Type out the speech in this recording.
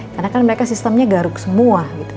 karena kan mereka sistemnya garuk semua gitu